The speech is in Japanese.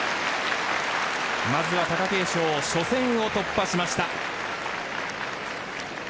まずは貴景勝初戦を突破しました。